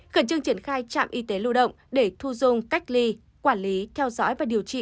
khẩn trương triển khai trạm y tế lưu động để thu dung cách ly quản lý theo dõi và điều trị